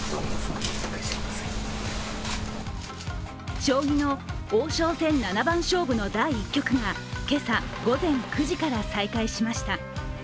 将棋の王将戦七番勝負の第１局が今朝、午前９時から再開しました。